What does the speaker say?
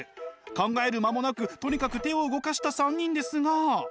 考える間もなくとにかく手を動かした３人ですが。